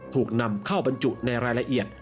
ถูกนำเข้าบรรจุในรายละเอียด